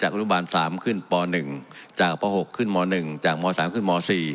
จากอุณหบันสามขึ้นป๑จากป๖ขึ้นม๑จากม๓ขึ้นม๔